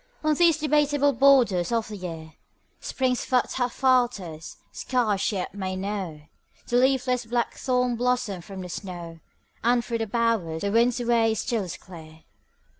On these debateable* borders of the year Spring's foot half falters; scarce she yet may know The leafless blackthorn blossom from the snow; And through her bowers the wind's way still is clear.